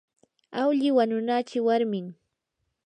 awlli wanunachi warmin.